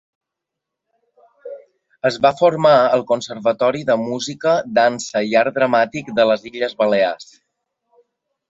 Es va formar al Conservatori de Música, dansa i Art dramàtic de les Illes Balears.